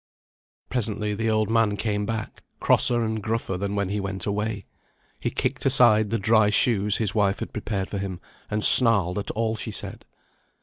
Presently the old man came back, crosser and gruffer than when he went away. He kicked aside the dry shoes his wife had prepared for him, and snarled at all she said.